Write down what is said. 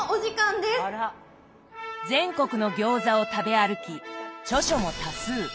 全国の餃子を食べ歩き著書も多数。